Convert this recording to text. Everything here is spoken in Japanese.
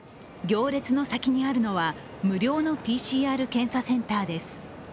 行列の先にあるのは無料のＰＣＲ検査センターです。